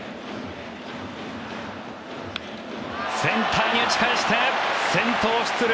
センターに打ち返して先頭出塁。